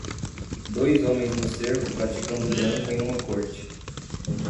Dois homens no cerco praticando branco em uma corte.